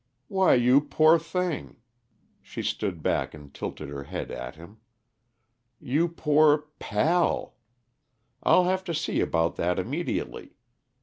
"Why, you poor thing!" She stood back and tilted her head at him. "You poor pal. I'll have to see about that immediately.